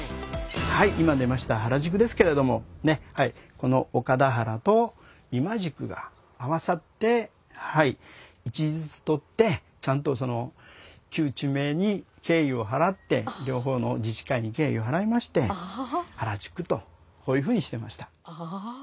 この「岡田原」と「今宿」が合わさって１字ずつ取ってちゃんと旧地名に敬意を払って両方の自治会に敬意を払いまして「原宿」とこういうふうにしました。